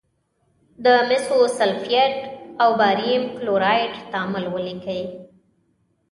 د مسو سلفیټ او باریم کلورایډ تعامل ولیکئ.